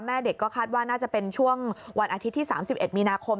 เด็กก็คาดว่าน่าจะเป็นช่วงวันอาทิตย์ที่๓๑มีนาคม